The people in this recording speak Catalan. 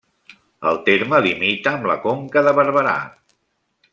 El terme limita amb la Conca de Barberà.